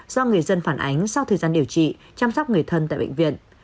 do người dân phản ánh sau thời gian điều trị chăm sóc người thân tại bệnh viện